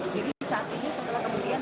jadi saat ini setelah kemudian